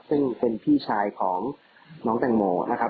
ซึ่งเป็นพี่ชายของน้องแตงโมนะครับ